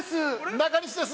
◆中西です。